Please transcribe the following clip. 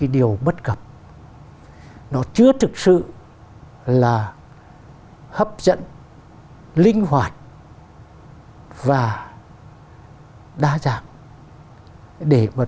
điều bất cập nó chưa thực sự là hấp dẫn linh hoạt và đa dạng để